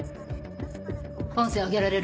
音声上げられる？